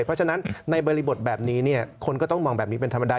เพราะฉะนั้นในบริบทแบบนี้คนก็ต้องมองแบบนี้เป็นธรรมดา